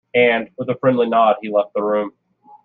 And, with a friendly nod, he left the room.